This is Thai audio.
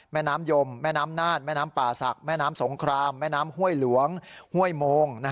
แม่น้ำยมแม่น้ำน่านแม่น้ำป่าศักดิ์แม่น้ำสงครามแม่น้ำห้วยหลวงห้วยโมง